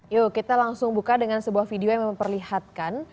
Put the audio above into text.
yuk kita langsung buka dengan sebuah video yang memperlihatkan